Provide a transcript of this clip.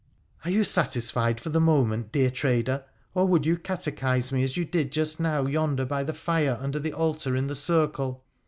' Are you satisfied for the moment, dear trader, or would you catechise me as you did just now yonder by the fire under the altar in the circle